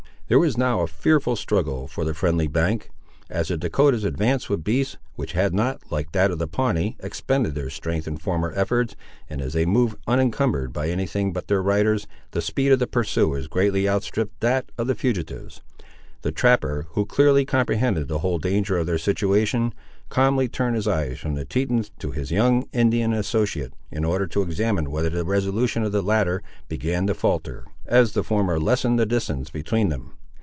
There was now a fearful struggle for the friendly bank. As the Dahcotahs advanced with beasts, which had not, like that of the Pawnee, expended their strength in former efforts, and as they moved unincumbered by any thing but their riders, the speed of the pursuers greatly outstripped that of the fugitives. The trapper, who clearly comprehended the whole danger of their situation, calmly turned his eyes from the Tetons to his young Indian associate, in order to examine whether the resolution of the latter began to falter, as the former lessened the distance between them.